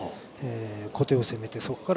小手を攻めて、そこから。